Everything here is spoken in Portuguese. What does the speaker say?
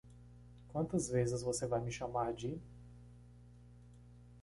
Quantas vezes você vai me chamar de?